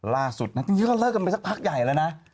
ล่าสุดนี่ก็เลิกไปสักพักใหญ่แล้วนะ